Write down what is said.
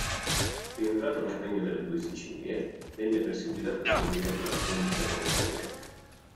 Rientrato nel Regno delle Due Sicilie, venne perseguitato e sorvegliato dalla polizia borbonica.